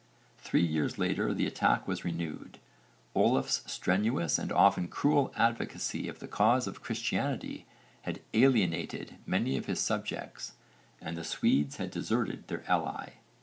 Three years later the attack was renewed. Olaf's strenuous and often cruel advocacy of the cause of Christianity had alienated many of his subjects and the Swedes had deserted their ally.